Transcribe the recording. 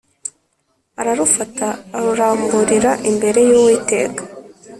Ararufata aruramburira imbere y’Uwiteka